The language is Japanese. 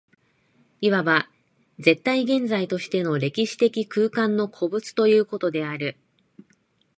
いわば絶対現在としての歴史的空間の個物ということである。